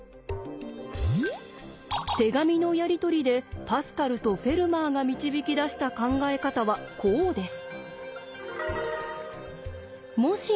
手紙のやり取りでパスカルとフェルマーが導き出した考え方はこうです。